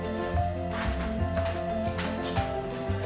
tidak ada perubahan hanya membuat tanda